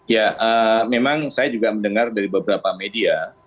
ya memang saya juga mendengar dari beberapa media